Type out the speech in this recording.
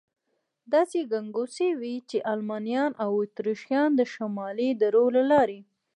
داسې ګنګوسې وې، چې المانیان او اتریشیان د شمالي درو له لارې.